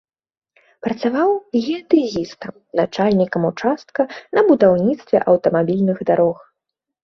Працаваў геадэзістам, начальнікам участка на будаўніцтве аўтамабільных дарог.